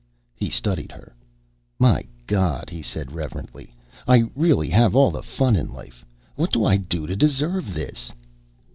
He studied her. "My God," he said reverently, "I really have all the fun in life. What do I do to deserve this?"